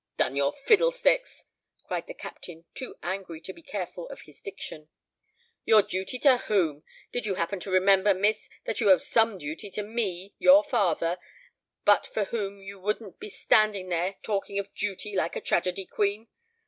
"Done your fiddlesticks!" cried the Captain, too angry to be careful of his diction. "Your duty to whom? Did you happen to remember, miss, that you owe some duty to me, your father, but for whom you wouldn't be standing there talking of duty like a tragedy queen?